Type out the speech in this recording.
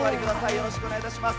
よろしくお願いします。